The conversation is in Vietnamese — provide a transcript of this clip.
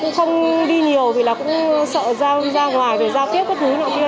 cũng không đi nhiều vì là cũng sợ ra ngoài rồi giao tiếp các thứ nọ kia